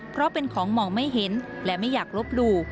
เพราะเป็นของมองไม่เห็นและไม่อยากลบหลู่